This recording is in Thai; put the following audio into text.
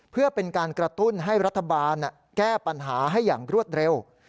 เพื่อเป็นการกระตุ้นให้รัฐบาลแก้ปัญหาให้อย่างรวดเร็ว